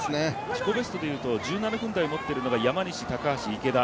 自己ベストでいうと１７分台を持っているのが、池田。